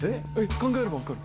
考えれば分かる？